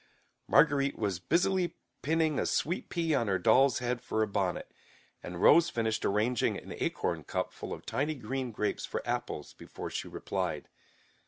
Marguerite was busily pinning a sweet pea on her doll's head for a bonnet, and Rose finished arranging an acorn cup full of tiny green grapes for apples, before she replied.